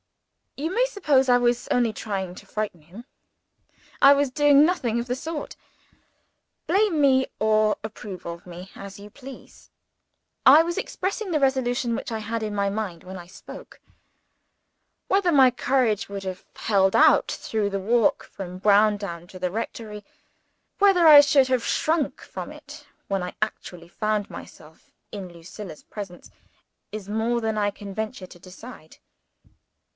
You may suppose I was only trying to frighten him. I was doing nothing of the sort. Blame me, or approve of me, as you please, I was expressing the resolution which I had in my mind when I spoke. Whether my courage would have held out through the walk from Browndown to the rectory whether I should have shrunk from it when I actually found myself in Lucilla's presence is more than I can venture to decide.